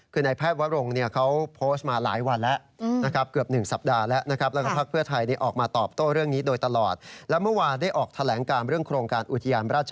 คือนายแพทย์วรงเขาโพสต์มาหลายวันแล้วนะครับ